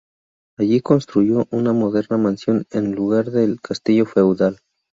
Allí construyó una moderna mansión en lugar del castillo feudal.